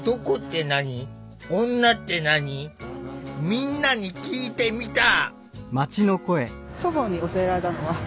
みんなに聞いてみた。